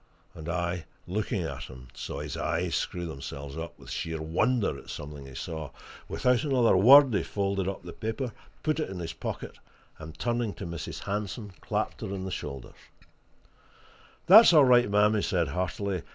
And I, looking at him, saw his eyes screw themselves up with sheer wonder at something he saw. Without another word he folded up the paper, put it in his pocket, and turning to Mrs. Hanson, clapped her on the shoulder. "That's all right, ma'am!" he said heartily.